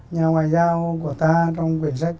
nhà ngoại giao của ta trong quyển sách